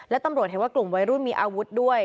และตำรวจเห็นว่ากลุ่มวัยรุ่นมีอาวุธด้วย